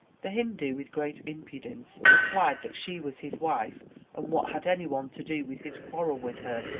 The Hindu, with great impudence, replied that she was his wife, and what had anyone to do with his quarrel with her?